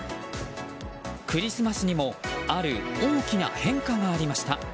クリスマスにもある大きな変化がありました。